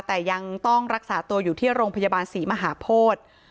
แต่ยังต้องรักษาตัวอยู่ที่โรงพยาบาลศรีมหาโพธิ